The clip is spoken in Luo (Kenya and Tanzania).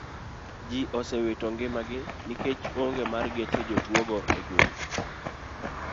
Ji osewito ngimagi nikech onge mar geche jotuo go e gwenge.